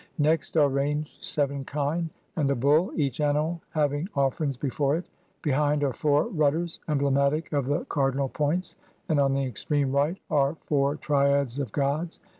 Next are ranged seven kine and a bull, each animal having offerings before it. Behind are four rudders, emblematic of the cardinal points, and on the extreme right are four triads of gods.